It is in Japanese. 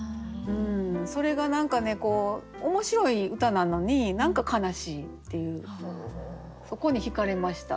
それが何かね面白い歌なのに何か悲しいっていうそこにひかれました。